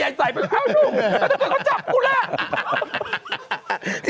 เอานุ่มต้องกดแล้วจับกูนะ